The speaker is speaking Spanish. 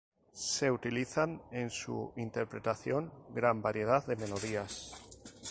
Se utilizan en su interpretación gran variedad de melodías.